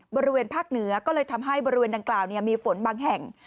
บริเวณภาคเหนือก็เลยทำให้บริเวณดังกล่าวมีฝนบางแห่ง